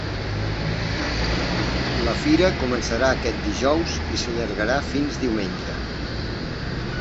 La fira començarà aquest dijous i s’allargarà fins diumenge.